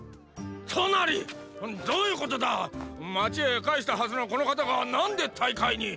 トナリどーゆーことだ⁉街へ帰したはずのこの方がなんで大会に⁉